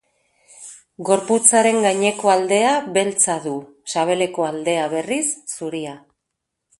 Gorputzaren gaineko aldea beltza du, sabeleko aldea, berriz, zuria.